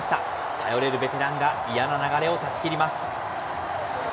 頼れるベテランが、嫌な流れを断ち切ります。